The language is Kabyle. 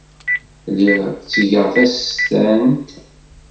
Lliɣ ttgeɣ tasestant.